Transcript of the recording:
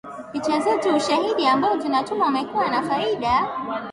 picha zetu ushahidi ambao tunatuma umekuwa wa faida